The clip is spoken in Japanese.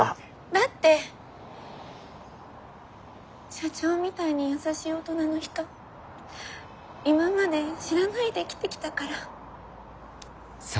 だって社長みたいに優しい大人の人今まで知らないで生きてきたから。